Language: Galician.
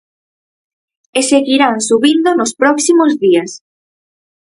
E seguirán subindo nos próximos días.